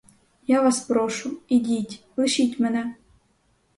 Я вас прошу, ідіть, лишіть мене!